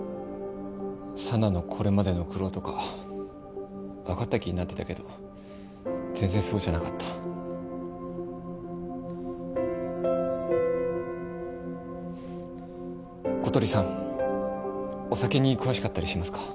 佐奈のこれまでの苦労とか分かった気になってたけど全然そうじゃなかった小鳥さんお酒に詳しかったりしますか？